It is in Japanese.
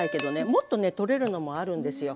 もっとねとれるのもあるんですよ。